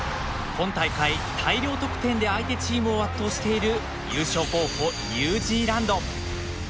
今大会大量得点で相手チームを圧倒している優勝候補ニュージーランド。